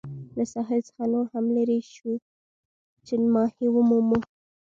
له ساحل څخه نور هم لیري شوو چې ماهي ومومو.